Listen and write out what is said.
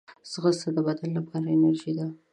ځغاسته د بدن لپاره انرژي ده